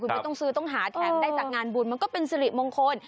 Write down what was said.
ไม่ต้องซื้อต้องหาแถมได้จากงานบุญมันก็เป็นสิริมงคล